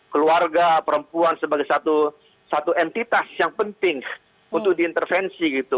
keluarga perempuan sebagai satu entitas yang penting untuk diintervensi gitu